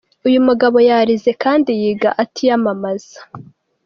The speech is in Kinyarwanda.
Uyu mugabo yarize, kandi yiga atiyamamaza.